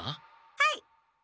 はい！